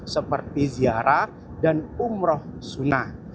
seperti ziarah dan umroh sunnah